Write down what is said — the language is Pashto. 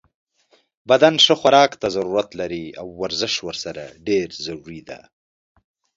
بدن ښه خوراک ته ضرورت لری او ورزش ورسره ډیر ضروری ده